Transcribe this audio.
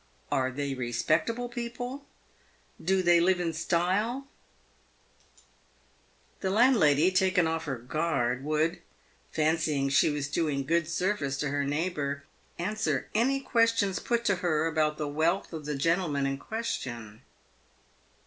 Are they respectable people ? Do they live in style ?'' The landlady, taken off her guard, would — fancy ing she was doing good service to her neighbour — answer any ques tions put to her about the wealth of the gentleman in question.